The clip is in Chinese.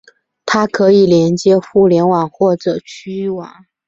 它可以连接互联网或者局域网。